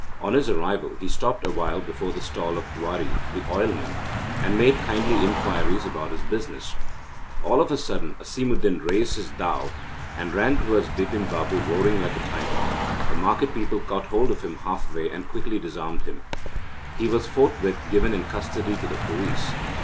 On his arrival, he stopped awhile before the stall of Dwari, the oilman, and made kindly inquiries about his business. All on a sudden, Asimuddin raised his dao and ran towards Bipin Babu, roaring like a tiger. The market people caught hold of him half way, and quickly disarmed him. He was forthwith given in custody to the police.